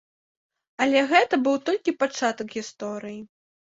Але гэта быў толькі пачатак гісторыі.